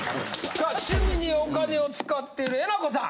さあ趣味にお金を使っているえなこさん。